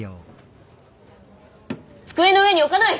机の上に置かない！